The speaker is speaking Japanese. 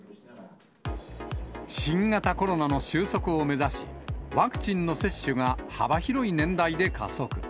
新型コロナの収束を目指し、ワクチンの接種が幅広い年代で加速。